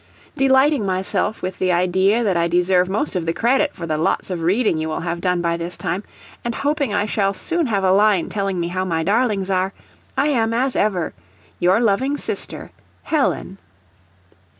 "Delighting myself with the idea that I deserve most of the credit for the lots of reading you will have done by this time, and hoping I shall soon have a line telling me how my darlings are, I am as ever, "Your loving sister, "HELEN."